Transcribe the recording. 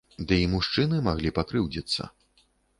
Ды і мужчыны маглі пакрыўдзіцца.